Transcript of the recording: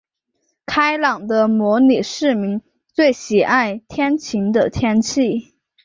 开朗的模拟市民最喜爱天晴的天气。